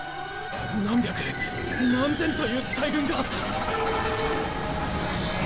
何百何千という大軍が。